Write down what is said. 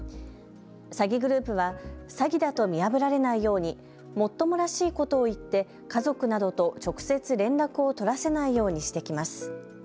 詐欺グループは詐欺だと見破られないようにもっともらしいことを言って家族などと直接連絡を取らせないようにしてきます。